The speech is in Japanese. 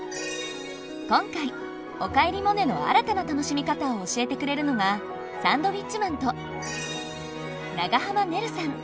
今回「おかえりモネ」の新たな楽しみ方を教えてくれるのがサンドウィッチマンと長濱ねるさん。